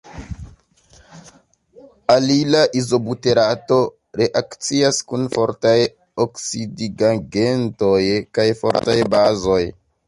Alila izobuterato reakcias kun fortaj oksidigagentoj kaj fortaj bazoj.